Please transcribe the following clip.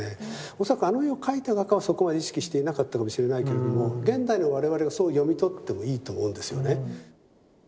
恐らくあの絵を描いた画家はそこまで意識していなかったかもしれないけれども現代の我々がそう読み取ってもいいと思うんですよね。